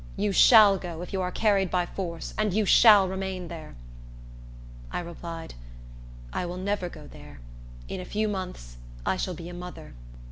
You shall go, if you are carried by force; and you shall remain there." I replied, "I will never go there. In a few months I shall be a mother."